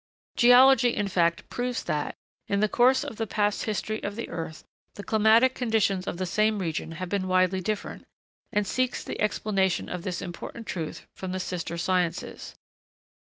Geology, in fact, proves that, in the course of the past history of the earth, the climatic conditions of the same region have been widely different, and seeks the explanation of this important truth from the sister sciences.